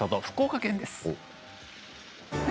福岡県です。